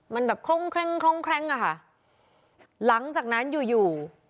มันแบบคล่องแคร่งคล่องแคล้งอะค่ะหลังจากนั้นอยู่อยู่